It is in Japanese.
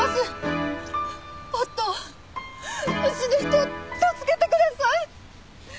夫をうちの人を助けてください！